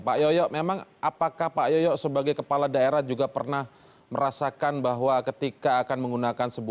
pak yoyo memang apakah pak yoyo sebagai kepala daerah juga pernah merasakan bahwa ketika akan menggunakan sebuah